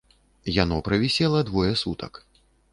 Яно правісела двое сутак.